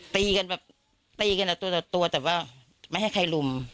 ตีกันแบบตีกันตัวแต่ว่าไม่ให้ใครลุม